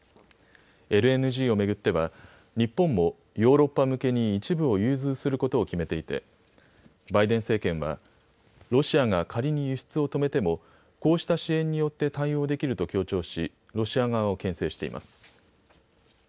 ＬＮＧを巡っては日本もヨーロッパ向けに一部を融通することを決めていてバイデン政権はロシアが仮に輸出を止めてもこうした支援によって対応できると強調しロシア側をけん制しています。